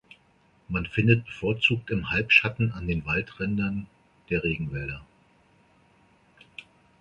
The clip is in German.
Man findet bevorzugt im Halbschatten an den Waldrändern der Regenwälder.